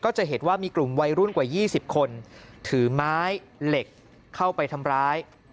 จะเห็นว่ามีกลุ่มวัยรุ่นกว่า๒๐คนถือไม้เหล็กเข้าไปทำร้าย